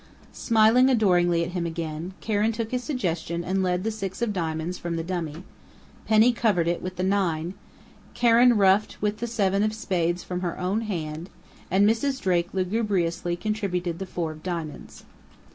Smiling adoringly at him again, Karen took his suggestion and led the six of Diamonds from the dummy; Penny covered it with the nine; Karen ruffed with the seven of Spades from her own hand, and Mrs. Drake lugubriously contributed the four of Diamonds.